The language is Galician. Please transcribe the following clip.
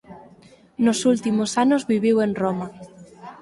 Nos últimos anos viviu en Roma.